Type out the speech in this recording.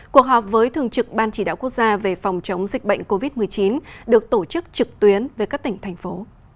cuộc họp với thường trực ban chỉ đạo quốc gia về phòng chống dịch bệnh covid một mươi chín được tổ chức trực tuyến với các tỉnh thành phố